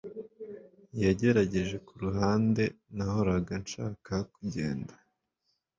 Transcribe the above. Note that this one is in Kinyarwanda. Yagerageje kuruhande Nahoraga nshaka kugenda